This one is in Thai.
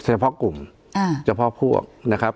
เฉพาะกลุ่มเฉพาะพวกนะครับ